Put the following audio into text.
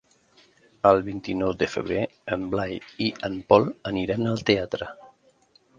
El vint-i-nou de febrer en Blai i en Pol aniran al teatre.